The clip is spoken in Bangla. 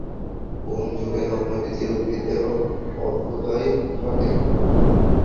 কোন যুগে নগ্নবীজী উদ্ভিদের অভ্যুদয় ঘটে?